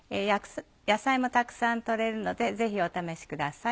野菜もたくさん取れるのでぜひお試しください。